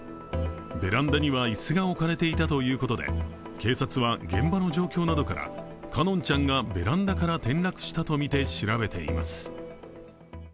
ベランダには椅子が置かれていたということで警察は、現場の状況などから奏音ちゃんがベランダから転落したとみて調べています。